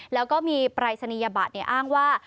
แล้วก็มีปรายศนียบัตรอ้างว่า